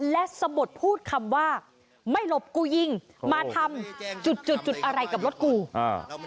และสะบดพูดคำว่าไม่หลบกูยิงมาทำจุดจุดจุดอะไรกับรถกูอ่า